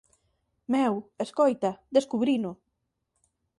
Meu, escoita, descubrino.